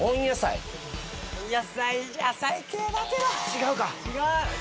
違うか。